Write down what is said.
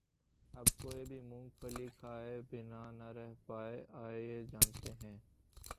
اب کوئی بھی مونگ پھلی کھائے بنا نہ رہ پائے آئیے جانتے ہیں